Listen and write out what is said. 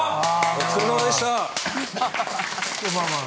お疲れさまでした。